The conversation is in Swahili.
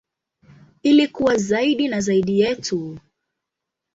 Ili kuwa zaidi na zaidi yetu.